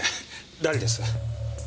誰です？